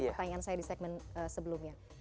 pertanyaan saya di segmen sebelumnya